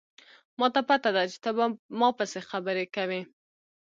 ما ته پته ده چې ته په ما پسې خبرې کوې